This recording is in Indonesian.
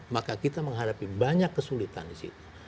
maka kita menghadapi banyak kesulitan disitu